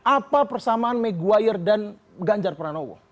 apa persamaan meguire dan ganjar pranowo